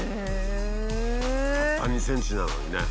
たった２ｃｍなのにね。